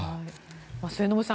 末延さん